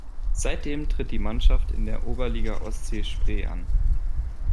Seitdem tritt die Mannschaft in der Oberliga Ostsee-Spree an.